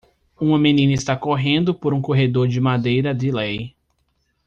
Uma menina está correndo por um corredor de madeira de lei